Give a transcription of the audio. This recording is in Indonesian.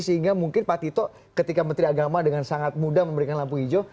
sehingga mungkin pak tito ketika menteri agama dengan sangat mudah memberikan lampu hijau